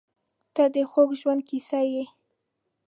• ته د خوږ ژوند کیسه یې.